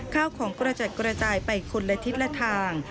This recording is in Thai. ข้าวของกระจัดกระจายไปคนละทิศละทาง